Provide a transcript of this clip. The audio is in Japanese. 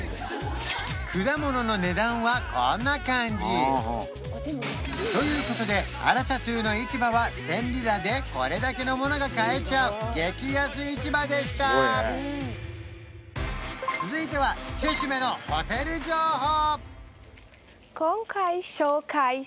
果物の値段はこんな感じということでアラチャトゥの市場は１０００リラでこれだけのものが買えちゃう激安市場でした続いてはチェシュメのホテル情報！